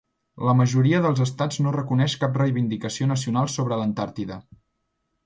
La majoria dels estats no reconeix cap reivindicació nacional sobre l'Antàrtida.